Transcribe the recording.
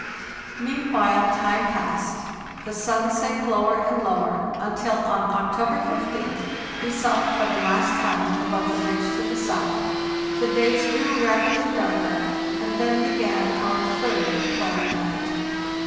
Meanwhile time passed. The sun sank lower and lower, until on October 15th we saw it for the last time above the ridge to the south; the days grew rapidly darker, and then began our third polar night.